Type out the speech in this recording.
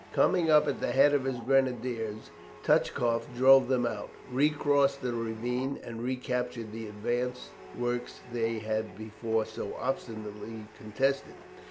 Coming up at the head of his grenadiers, Touchkoff drove them out, recrossed the ravine, and recaptured the advance works they had before so obstinately contested.